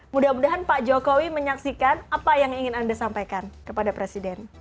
mudah mudahan pak jokowi menyaksikan apa yang ingin anda sampaikan kepada presiden